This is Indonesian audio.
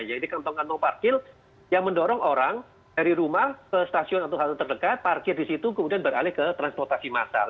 jadi kantong kantong parkir yang mendorong orang dari rumah ke stasiun atau hal terdekat parkir di situ kemudian beralih ke transportasi masal